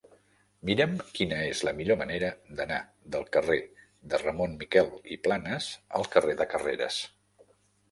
Mira'm quina és la millor manera d'anar del carrer de Ramon Miquel i Planas al carrer de Carreras.